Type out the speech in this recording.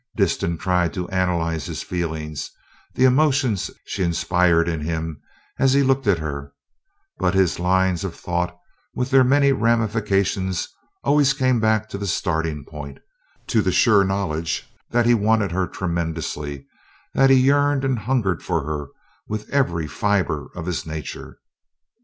Disston tried to analyze his feelings, the emotions she inspired in him as he looked at her, but his lines of thought with their many ramifications always came back to the starting point to the sure knowledge that he wanted her tremendously, that he yearned and hungered for her with every fiber of his nature.